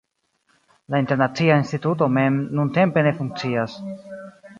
La Internacia Instituto mem nuntempe ne funkcias.